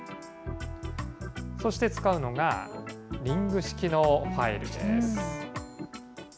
そして使うのが、リング式のファイルです。